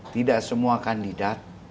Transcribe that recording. tidak semua kandidat